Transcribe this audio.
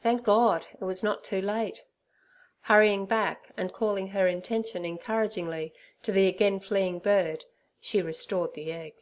Thank God! it was not too late. Hurrying back, and calling her intention encouragingly to the again fleeing bird, she restored the egg.